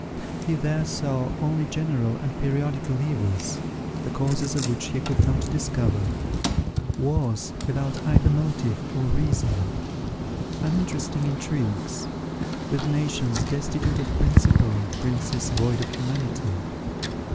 He there saw only general and periodical evils, the causes of which he could not discover; wars without either motive or reason; uninteresting intrigues; with nations destitute of principle, and princes void of humanity.